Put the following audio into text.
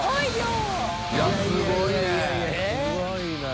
すごいな。